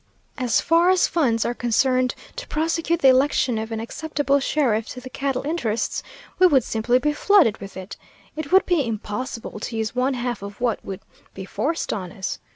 As far as funds are concerned to prosecute the election of an acceptable sheriff to the cattle interests, we would simply be flooded with it. It would be impossible to use one half of what would be forced on us.